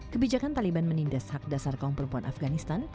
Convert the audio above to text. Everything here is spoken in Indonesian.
kebijakan taliban menindas hak dasar kaum perempuan afganistan